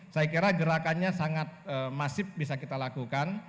saya kira gerakannya sangat masif bisa kita lakukan